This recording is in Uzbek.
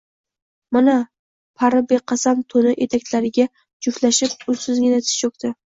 Mana, pari beqasam toʼni etaklarini juftlashtirib unsizgina tiz choʼkdi…